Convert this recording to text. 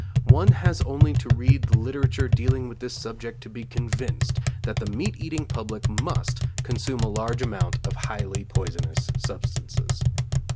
One has only to read the literature dealing with this subject to be convinced that the meat eating public must consume a large amount of highly poisonous substances.